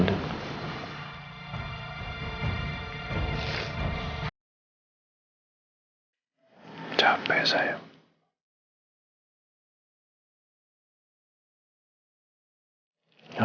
jadi kaubs piti